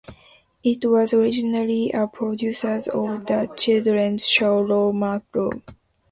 It was originally a producer of the children's show "Romper Room".